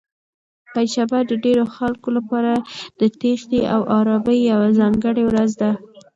پنجشنبه د ډېرو خلکو لپاره د تېښتې او ارامۍ یوه ځانګړې ورځ ده.